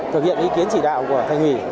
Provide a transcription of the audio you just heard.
thực hiện ý kiến chỉ đạo của thành ủy